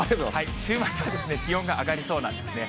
週末は気温が上がりそうなんですね。